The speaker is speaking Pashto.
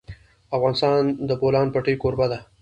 افغانستان د د بولان پټي کوربه دی.